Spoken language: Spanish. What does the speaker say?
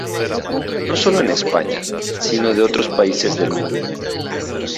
No solo en España, sino de otros países del mundo.